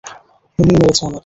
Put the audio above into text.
উনিই মেরেছে আমাকে।